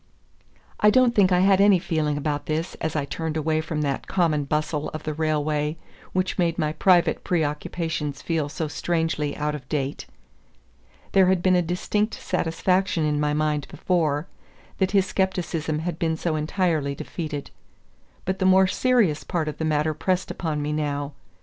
I don't think I had any feeling about this as I turned away from that common bustle of the railway which made my private preoccupations feel so strangely out of date. There had been a distinct satisfaction in my mind before, that his scepticism had been so entirely defeated. But the more serious part of the matter pressed upon me now.